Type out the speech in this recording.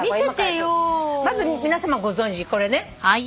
まず皆さまご存じこれね。